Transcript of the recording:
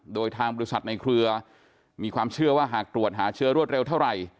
โดยทางบริษัทในเครือมีความเชื่อว่าหากตรวจหาเชื้อรวดเร็วเท่าไหร่